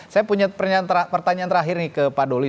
saya punya pertanyaan terakhir nih ke pak doli